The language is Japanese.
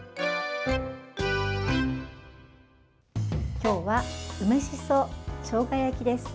今日は梅しそしょうが焼きです。